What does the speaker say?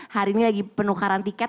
hari ini lagi penukaran tiket